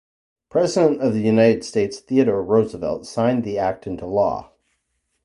President of the United States Theodore Roosevelt signed the act into law.